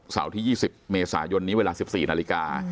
ที่๒๐เมษายนนี้เวลา๑๔นาฬิกา